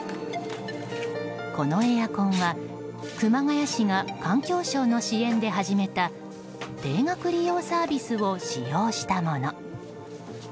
このエアコンは熊谷市が環境省の支援で始めた定額利用サービスを使用したもの。